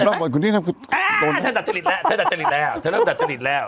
อ้าเริ่มตัดจริตแล้ว